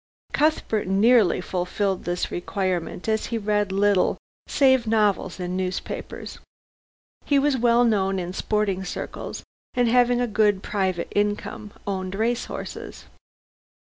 Cuthbert nearly fulfilled this requirement, as he read little, save novels and newspapers. He was well known in sporting circles, and having a good private income, owned race horses.